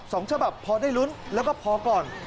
สองฉบับพอได้ลุ้นแล้วก็พอก่อน